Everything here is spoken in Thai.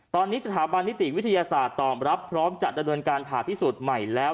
ตอนนี้สถาบันนิติวิทยาศาสตร์ตอบรับพร้อมจัดดำเนินการผ่าพิสูจน์ใหม่แล้ว